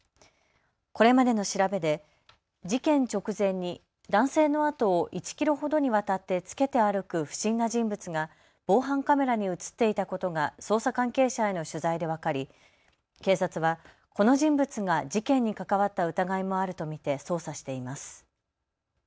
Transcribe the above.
これまでの調べで事件直前に男性の後を１キロほどにわたってつけて歩く不審な人物が防犯カメラに写っていたことが捜査関係者への取材で分かり警察はこの人物が事件に関わった疑いもあると見て捜査しています。